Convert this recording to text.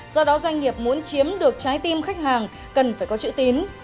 do đó doanh nghiệp muốn chiếm được trái tim khách hàng cần phải có chữ tín